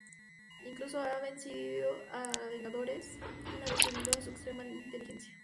Incluso ha vencido a los Vengadores una vez debido a su extrema inteligencia.